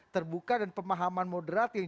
terbuka dan pemahaman moderat yang